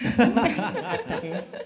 よかったです。